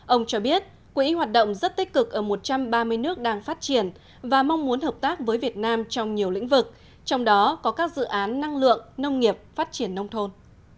ông cho biết quỹ hoạt động rất tích cực ở một trăm ba mươi nước đang phát triển và mong muốn hợp tác với việt nam trong nhiều lĩnh vực trong đó có các dự án năng lượng nông nghiệp phát triển nông thôn